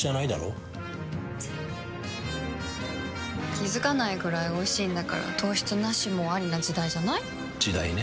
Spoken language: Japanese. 気付かないくらいおいしいんだから糖質ナシもアリな時代じゃない？時代ね。